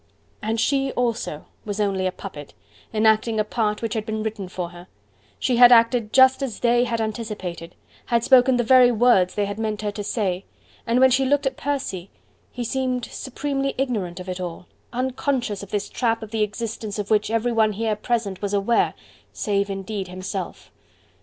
And she also was only a puppet, enacting a part which had been written for her: she had acted just as THEY had anticipated, had spoken the very words they had meant her to say: and when she looked at Percy, he seemed supremely ignorant of it all, unconscious of this trap of the existence of which everyone here present was aware, save indeed himself.